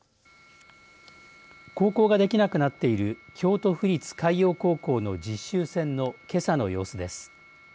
航行ができなくなっている京都府立海洋高校の実習船のけさの様子です。